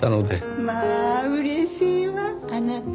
まあ嬉しいわあなた。